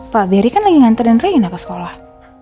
pak beri kan lagi ngantar dan ringin apa sekolah